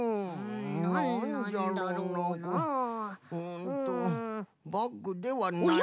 んっとバッグではない。